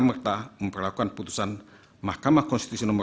merta memperlakukan putusan mahkamah konstitusi no sembilan puluh